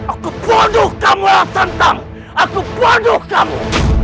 aku bodoh kamu roh santam aku bodoh kamu